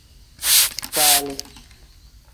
Falii.